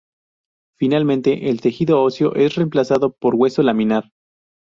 Finalmente, el tejido óseo es reemplazado por hueso laminar.